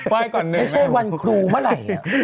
ว่ายก่อนเบ้อเช่ววันครูเมื่อไหร่